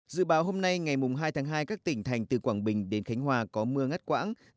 dự báo hôm nay ngày hai tháng hai các tỉnh thành từ quảng bình đến khánh hòa có mưa ngắt quãng